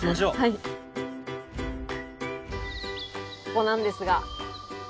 ここなんですが。